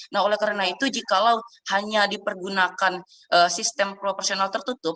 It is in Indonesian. nah oleh karena itu jikalau hanya dipergunakan sistem proporsional tertutup